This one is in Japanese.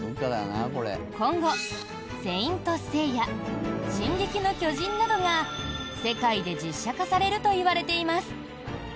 今後、「聖闘士星矢」「進撃の巨人」などが世界で実写化されるといわれています。